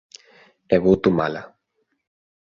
E vou tomala.